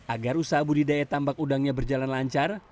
agar usaha budidaya tambak udangnya berjalan lancar